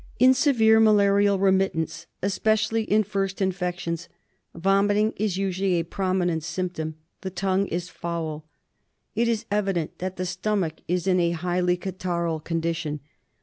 In severe malarial remittents, especially in first infections, vomiting is usually a prominent symptom. The tongue is foul. It is evident that the stomach is in a highly catarrhal condition.